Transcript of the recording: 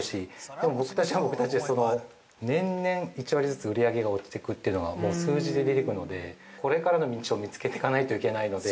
でも、僕たちは僕たちで年々１割ずつ売り上げが落ちていくというのは数字で出てくるので、これからの道を見つけていかないといけないので。